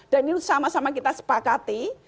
dan ini sama sama kita sepakati